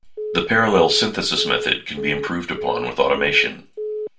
The "parallel synthesis" method can be improved upon with automation.